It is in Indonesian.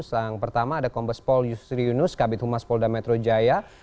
yang pertama ada kombes pol yusri yunus kabit humas polda metro jaya